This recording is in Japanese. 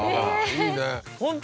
いいね。